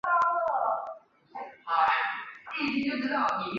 滇缅短尾鼩被发现在中国和缅甸。